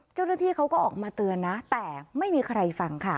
เจ้าหน้าที่เขาก็ออกมาเตือนนะแต่ไม่มีใครฟังค่ะ